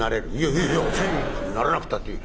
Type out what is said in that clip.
「いやいやあっし？ならなくったっていい」。